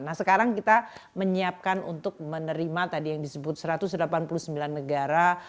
nah sekarang kita menyiapkan untuk menerima tadi yang disebut satu ratus delapan puluh sembilan negara